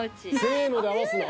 せので合わすな。